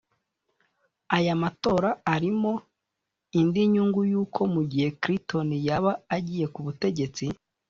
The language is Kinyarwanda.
aya matora arimo indi nyungu y’uko mu gihe Clinton yaba agiye ku butegetsi